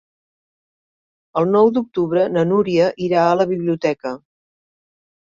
El nou d'octubre na Núria irà a la biblioteca.